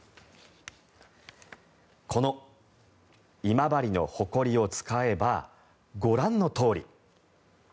この今治のホコリを使えばご覧のとおり。